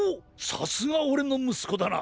さすがオレのむすこだな！